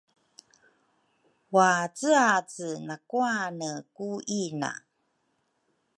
waaceace nakwane ku ina